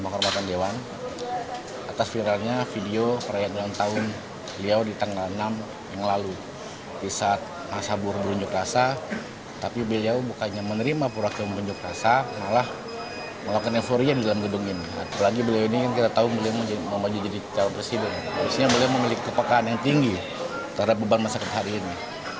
harusnya beliau memiliki kepekaan yang tinggi terhadap beban masyarakat hari ini